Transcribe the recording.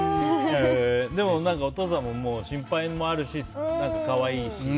でも、お父さんも心配もあるし可愛いし。